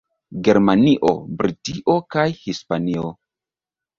Germanio, Britio kaj Hispanio.